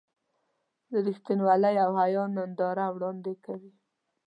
د رښتینولۍ او حیا ننداره وړاندې کوي.